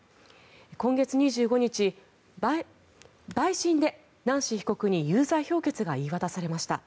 今月２５日陪審でナンシー被告に有罪評決が言い渡されました。